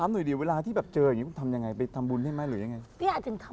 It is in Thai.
เดี๋ยวต้องเจอ